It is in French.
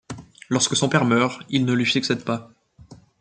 Lorsque son père meurt, il ne lui succède pas.